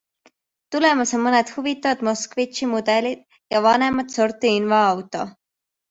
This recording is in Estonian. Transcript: Tulemas on mõned huvitavad Moskvitši mudelid ja vanemat sorti invaauto.